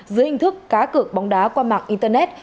dưới hình thức cá cược bóng đá qua mạng internet